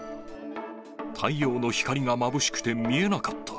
太陽の光がまぶしくて見えなかった。